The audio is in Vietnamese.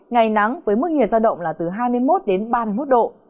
ngày nắng với mức nhiệt giao động là từ hai mươi một đến ba mươi một độ